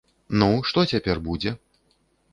Ну, што цяпер будзе?